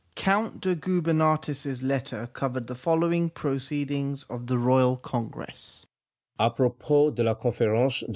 Count de Gubernatis s letter covered the following proceedings of the Roman Congress : A propos de la conference de M.